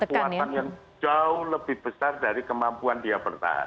kekuatan yang jauh lebih besar dari kemampuan dia bertahan